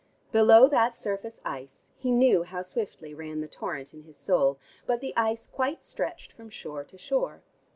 Below that surface ice, he knew how swiftly ran the torrent in his soul, but the ice quite stretched from shore to shore.